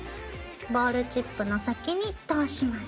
ボールチップの先に通します。